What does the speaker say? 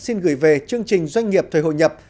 xin gửi về chương trình doanh nghiệp thời hội nhập